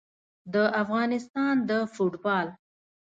د افغانستان د فوټبال